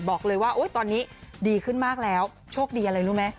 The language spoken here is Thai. บอกเลยว่าตอนนี้ดีขึ้นมากแล้วโชคดีอะไรรู้ไหม